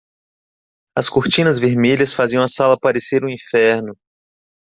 As cortinas vermelhas faziam a sala parecer um inferno.